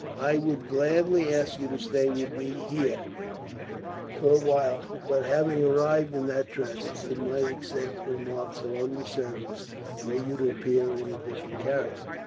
"I would gladly ask you to stay with me here, for a while; but having arrived in that dress, it might excite remark among the servants were you to appear in a different character.